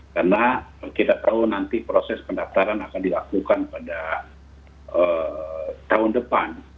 karena kita tahu nanti proses pendaftaran akan dilakukan pada tahun depan